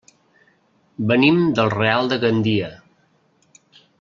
Venim del Real de Gandia.